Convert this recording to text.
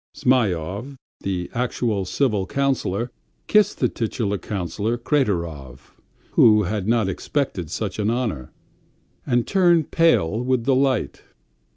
Zhmyhov, the actual civil councillor, kissed the titular councillor Kraterov, who had not expected such an honour, and turned pale with delight.